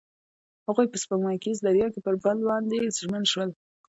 هغوی په سپوږمیز دریا کې پر بل باندې ژمن شول.